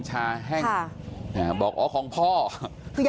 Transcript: ตำรวจต้องไล่ตามกว่าจะรองรับเหตุได้